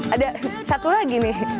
ada satu lagi nih